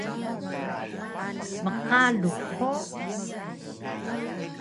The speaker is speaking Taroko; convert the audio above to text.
Mqalux hug?